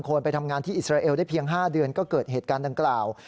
คนไปทำงานที่อิสราเอลได้เพียง๕เดือนก็เกิดเหตุการณ์ดังกล่าว